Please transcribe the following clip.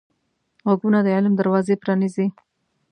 غوږونه د علم دروازې پرانیزي